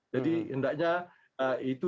jadi hendaknya itu